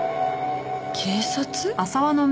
警察？